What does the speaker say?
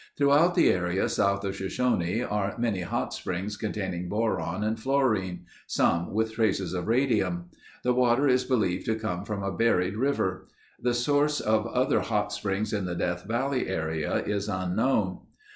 Throughout the area south of Shoshone are many hot springs containing boron and fluorine—some with traces of radium. The water is believed to come from a buried river. The source of other hot springs in the Death Valley area is unknown.